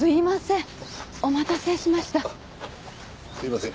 すみません。